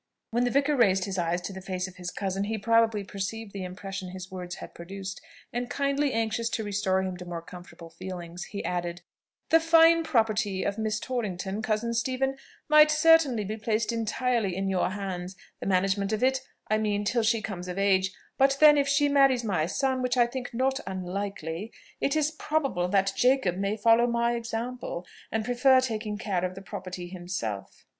When the vicar raised his eyes to the face of his cousin, he probably perceived the impression his words had produced, and kindly anxious to restore him to more comfortable feelings, he added, "The fine property of Miss Torrington, cousin Stephen, might certainly be placed entirely in your hands the management of it I mean till she comes of age; but then if she marries my son, which I think not unlikely, it is probable that Jacob may follow my example, and prefer taking care of the property himself."